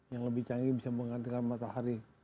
yang lebih canggih bisa menggantikan matahari